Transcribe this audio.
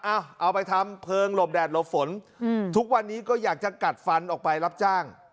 เอาเอาไปทำเพลิงหลบแดดหลบฝนทุกวันนี้ก็อยากจะกัดฟันออกไปรับจ้าง